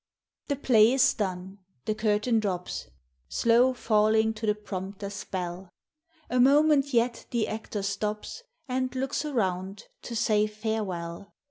The play is done, — the curtain drops, Slow falling to the prompter's bell ; A moment yet the actor stops, And looks around, to sav farewell.